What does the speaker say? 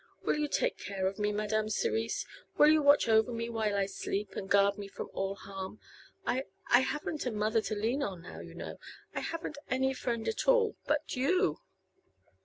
Will you take care of me, Madame Cerise? Will you watch over me while I sleep and guard me from all harm? I I haven't any mother to lean on now, you know; I haven't any friend at all but _you!